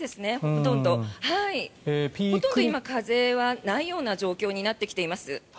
ほとんど今、風はないような状況になってきています。